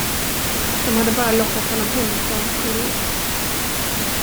De hade bara lockat honom hemifrån på lek.